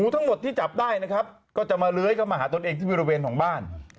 ที่จับได้นะครับก็จะมาเลื้อยเข้ามาหาตัวเองที่มีระเบียนของบ้าน